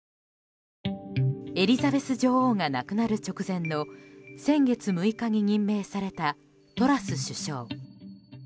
エリザベス女王が亡くなる直前の先月６日に任命されたトラス首相。